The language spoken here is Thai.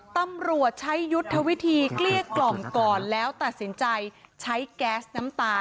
ตำรวจใช้ยุทธวิธีเกลี้ยกล่อมก่อนแล้วตัดสินใจใช้แก๊สน้ำตา